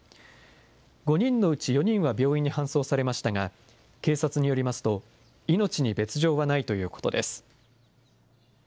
５人のうち４人は病院に搬送されましたが、警察によりますと、命に別状はないということです。